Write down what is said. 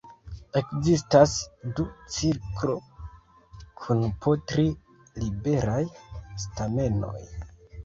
Ekzistas du cirklo kun po tri liberaj stamenoj.